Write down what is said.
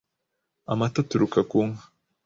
Amata aturuka ku nka,